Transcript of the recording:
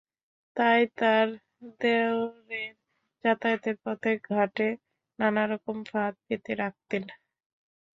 তাই তাঁর দেওরের যাতায়াতের পথে ঘাটে নানারকম ফাঁদ পেতে রাখতেন।